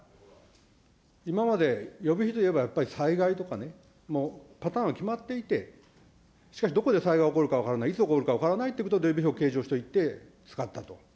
今まで、予備費といえばやっぱり災害とかね、パターンは決まっていて、しかしどこで災害が起こるか分からない、いつ起こるか分からないということで、予備費を計上しておいて使ったと。